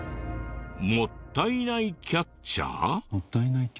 もったいないキャッチャー？